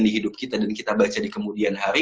di hidup kita dan kita baca di kemudian hari